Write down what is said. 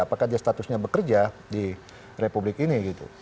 apakah dia statusnya bekerja di republik ini gitu